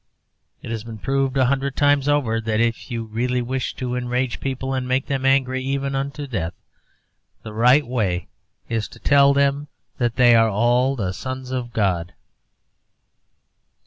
It has been proved a hundred times over that if you really wish to enrage people and make them angry, even unto death, the right way to do it is to tell them that they are all the sons of God.